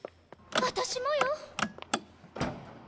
私もよ。